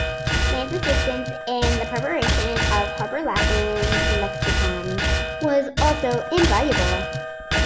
Lane's assistance in the preparation of Harper's Latin lexicons was also invaluable.